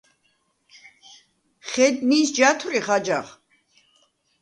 ხედ ნინს ჯათვრიხ აჯაღ?